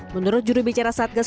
menurut jurubicara satga seperti